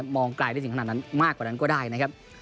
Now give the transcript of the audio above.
มองไกลได้ถึงขนาดนั้นมากกว่านั้นก็ได้นะครับ